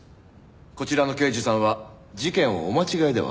こちらの刑事さんは事件をお間違えでは？